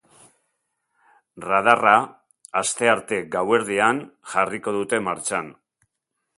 Radarra astearte gauerdian jarriko dute martxan.